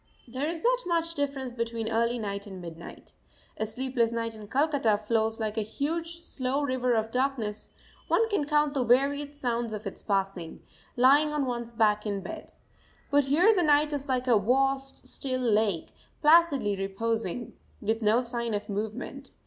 There is not much difference between early night and midnight. A sleepless night in Calcutta flows like a huge, slow river of darkness; one can count the varied sounds of its passing, lying on one's back in bed. But here the night is like a vast, still lake, placidly reposing, with no sign of movement.